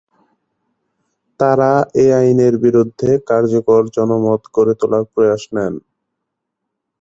তারা এ আইনের বিরুদ্ধে কার্যকর জনমত গড়ে তোলার প্রয়াস নেন।